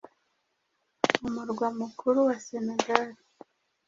mu murwa mukuru wa Senegali,